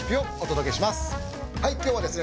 今日はですね